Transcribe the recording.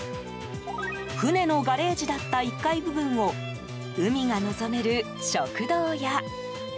船のガレージだった１階部分を海が望める食堂や。